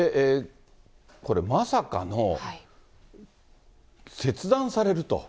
これ、まさかの切断されると。